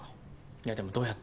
いやでもどうやって？